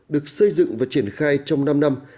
được xây dựng và triển khai trong năm năm